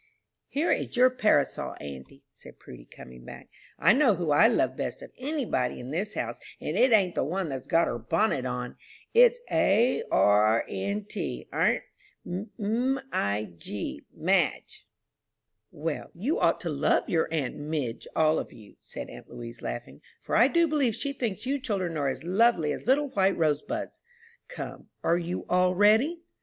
"Here is your parasol, auntie," said Prudy, coming back. "I know who I love best of any body in this house, and it ain't the one that's got her bonnet on it's a r n t, aunt, M i g, Madge." "Well, you ought to love your aunt Mig, all of you," said aunt Louise, laughing, "for I do believe she thinks you children are as lovely as little white rose buds. Come, are you all ready?